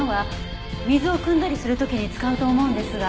水をくんだりする時に使うと思うんですが。